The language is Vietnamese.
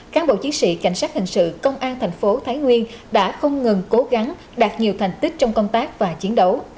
cán bộ chiến sĩ cảnh sát hình sự công an thành phố thái nguyên đã không ngừng cố gắng đạt nhiều thành tích trong công tác và chiến đấu